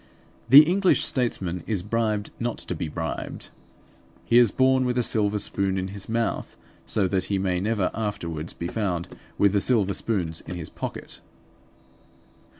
The English statesman is bribed not to be bribed. He is born with a silver spoon in his mouth, so that he may never afterwards be found with the silver spoons in his pocket.